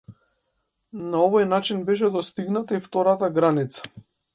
На овој начин беше достигната и втората граница.